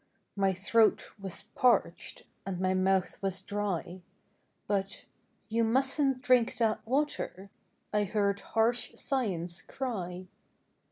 My throat was parched And my mouth was dry; But, " You mustn't drink that water," I heard harsh Science cry.